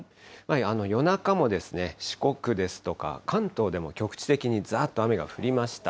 夜中も、四国ですとか、関東でも局地的にざーっと雨が降りました。